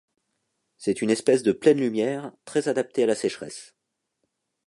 C'est une espèce de pleine lumière, très adaptée à la sécheresse.